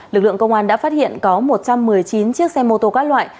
lực lượng công an đã phát hiện có một trăm một mươi chín chiếc xe mô tô các loại